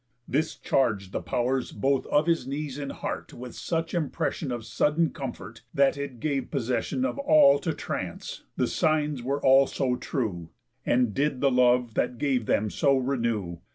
This charg'd the pow'rs Both of his knees and heart with such impression Of sudden comfort, that it gave possession Of all to Trance, the signs were all so true, And did the love that gave them so renew.